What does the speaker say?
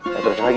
saya kerja lagi